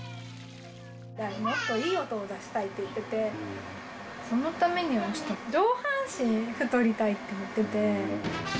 もっといい音を出したいって言ってて、そのためにはちょっと、上半身、太りたいと言ってて。